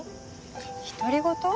独り言？